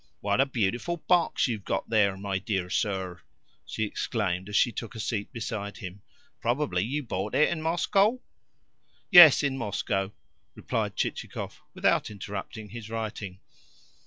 "What a beautiful box you have got, my dear sir!" she exclaimed as she took a seat beside him. "Probably you bought it in Moscow?" "Yes in Moscow," replied Chichikov without interrupting his writing.